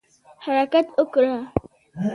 حرکت وکړه